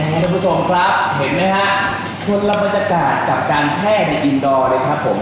คุณผู้ชมครับเห็นไหมฮะคนละบรรยากาศกับการแช่ในอินดอร์เลยครับผม